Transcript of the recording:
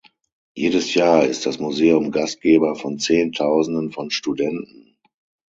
Jedes Jahr ist das Museum Gastgeber von zehntausenden von Studenten.